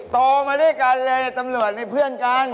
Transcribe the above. โตมาด้วยกันเลยตำรวจในเพื่อนกัน